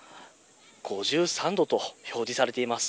５３度と表示されています。